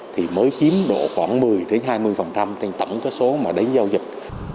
thì mới chiếm độ khoảng một mươi hai mươi trên tổng số mà đánh giao dịch